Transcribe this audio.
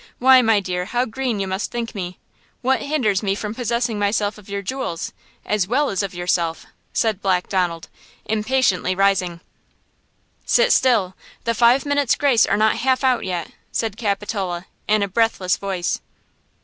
Why, my dear, how green you must think me! What hinders me from possessing myself of your jewels, as well as of yourself!" said Black Donald, impatiently rising. "Sit still! The five minutes' grace are not half out yet," said Capitola, in a breathless voice.